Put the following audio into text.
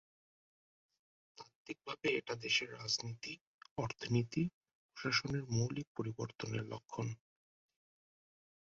তাত্ত্বিকভাবে এটা দেশের রাজনীতি, অর্থনীতি, প্রশাসনে মৌলিক পরিবর্তনের লক্ষণ।